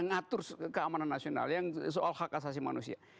ngatur keamanan nasional yang soal hak asasi manusia